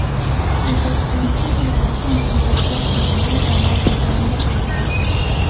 Des dels principis va ser un projecte pioner de nou disseny de paisatge.